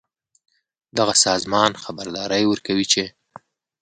دغه سازمان خبرداری ورکوي چې